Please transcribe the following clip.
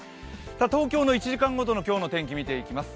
東京の１時間ごとの今日の天気見ていきます。